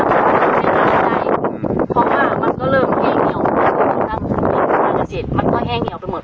มันก็ไม่ใช้น้ำได้เพราะว่ามันก็เริ่มแห้งเหนียวเพราะว่ามันก็แห้งเหนียวไปหมด